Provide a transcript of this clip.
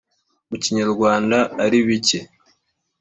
mu kinyarwanda ari bike.